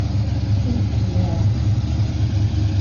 圣皮耶尔。